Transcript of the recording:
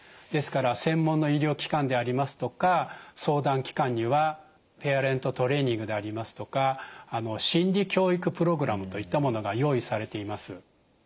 ですから専門の医療機関でありますとか相談機関にはペアレントトレーニングでありますとか心理教育プログラムといったものが用意されています。